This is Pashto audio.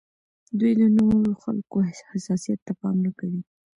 دوی د نورو خلکو حساسیت ته پام نه کوي.